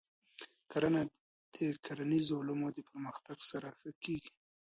کرنه د کرنیزو علومو د پرمختګ سره ښه کېږي.